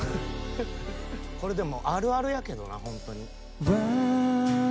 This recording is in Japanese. これでもあるあるやけどなほんとに。